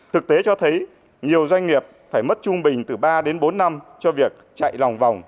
thực tế cho thấy nhiều doanh nghiệp phải mất trung bình từ ba đến bốn năm cho việc chạy lòng vòng